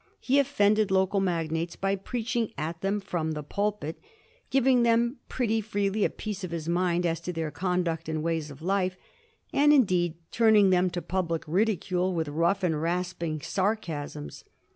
He offended local magnates by preaching at them from the pulpit, giving them pretty freely a piece of his mind as to their conduct and ways of life, and, indeed, turning them to public ridicule with rough and rasping sarcasms.